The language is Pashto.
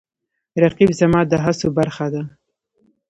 رقیب زما د هڅو برخه ده